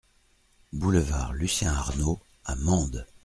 Boulevard Lucien Arnault à Mende